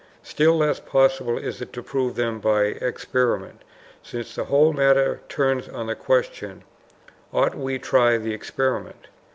Still less possible is it to prove them by experiment, since the whole matter turns on the question, ought we to try the experiment?